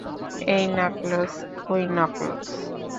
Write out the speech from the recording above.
এই নাকলস, ওই নাকলস।